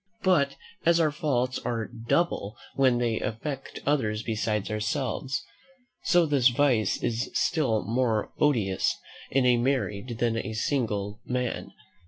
But as our faults are double when they affect others besides ourselves, so this vice is still more odious in a married than a single man.